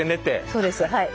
そうですはい。